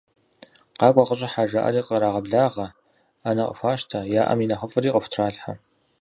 Къакӏуэ, къыщӏыхьэ!- жаӏэри кърагъэблагъэ, ӏэнэ къыхуащтэ, яӏэм и нэхъыфӏри къыхутралъхьэ.